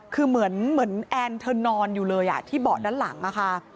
คือเหมือนแอนเธอนอนอยู่เลยที่เบาะด้านหลังอะค่ะ